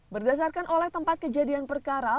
berdasarkan oleh tempat kejadian perkara